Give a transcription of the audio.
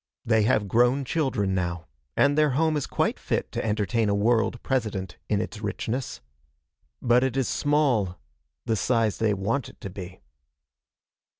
They have grown children now, and their home is quite fit to entertain a World President in its richness. But it is small the size they want it to be.